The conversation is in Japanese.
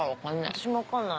私も分かんない。